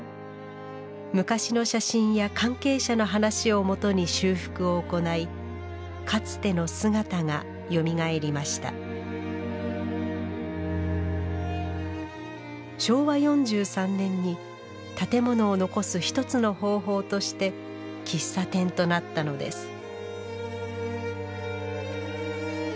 昔の写真や関係者の話をもとに修復を行いかつての姿がよみがえりました昭和４３年に建物を残す一つの方法として喫茶店となったのです